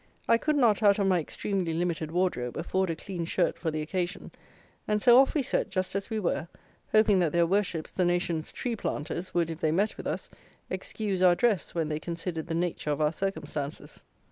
I could not, out of my extremely limited wardrobe, afford a clean shirt for the occasion; and so, off we set, just as we were, hoping that their worships, the nation's tree planters, would, if they met with us, excuse our dress, when they considered the nature of our circumstances.